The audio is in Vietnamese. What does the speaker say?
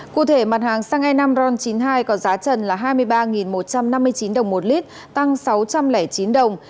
cụ thể mặt hàng xăng e năm ron chín mươi hai có giá trần là hai mươi ba một trăm năm mươi chín đồng một lít tăng sáu trăm linh chín đồng